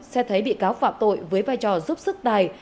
xét thấy bị cáo phạm tội với vai trò giúp sức tài